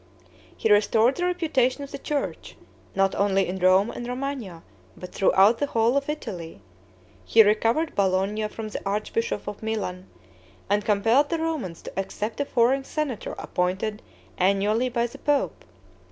He restored the reputation of the church, not only in Rome and Romagna, but throughout the whole of Italy; he recovered Bologna from the archbishop of Milan, and compelled the Romans to accept a foreign senator appointed annually by the pope.